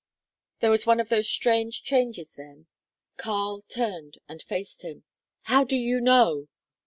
There was one of those strange changes then. Karl turned and faced him. "How do you know?"